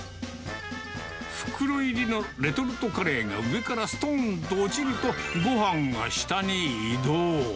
袋入りのレトルトカレーが上からすとんと落ちると、ごはんが下に移動。